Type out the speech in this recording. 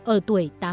ở tuổi tám mươi bốn